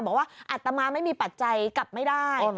บอกว่าอาตมาไม่มีปัจจัยกลับไม่ได้